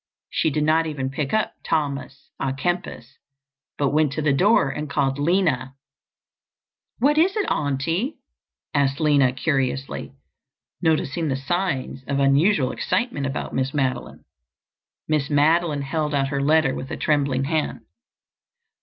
She did not even pick up Thomas à Kempis but went to the door and called Lina. "What is it, Auntie?" asked Lina curiously, noticing the signs of unusual excitement about Miss Madeline. Miss Madeline held out her letter with a trembling hand.